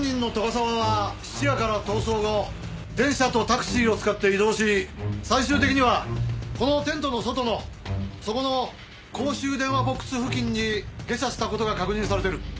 沢は質屋から逃走後電車とタクシーを使って移動し最終的にはこのテントの外のそこの公衆電話ボックス付近に下車した事が確認されている。